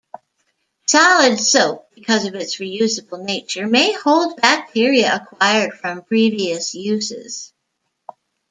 Solid soap, because of its reusable nature, may hold bacteria acquired from previous uses.